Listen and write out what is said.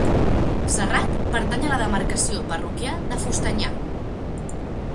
Serrat pertany a la demarcació parroquial de Fustanyà.